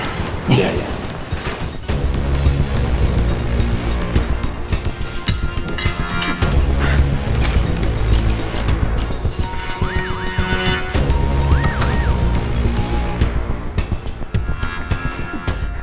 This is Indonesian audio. kita angkat telopon sebentar